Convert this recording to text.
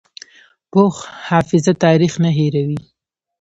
پوخ حافظه تاریخ نه هېروي